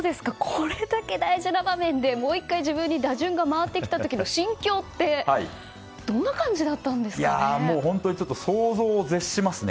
これだけ大事な場面でもう１回自分に打順が回ってきた時の心境って本当に、想像を絶しますね。